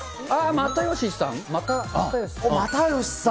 又吉さん？